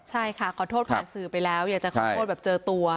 ใช่ค่ะขอโทษผ่านสื่อไปแล้วอยากจะขอโทษแบบเจอตัว